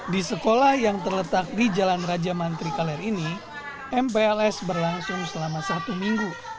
di sekolah yang terletak di jalan raja mantri kaler ini mpls berlangsung selama satu minggu